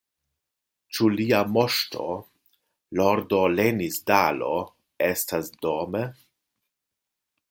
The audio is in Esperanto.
Ĉu Lia Moŝto, Lordo Lenisdalo estas dome?